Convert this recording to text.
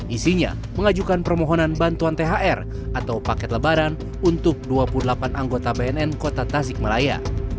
isinya mengajukan permohonan bantuan thr atau paket lebaran untuk dua puluh delapan anggota bnn kota tasik malaya